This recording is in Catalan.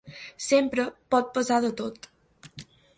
"Sempre pot passar de tot"